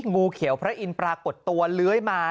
งูเขียวพระอินทร์ปรากฏตัวเลื้อยมา